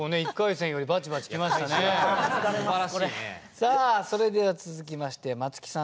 さあそれでは続きましてまつきさん